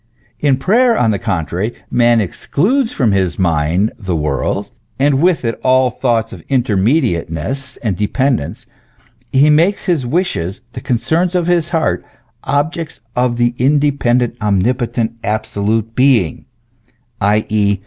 In prayer, on the contrary, man excludes from his mind the world, and with it all thoughts of intermediateness and dependence ; he makes his wishes the concerns of his heart, objects of the independent, omnipotent, absolute being, i.e.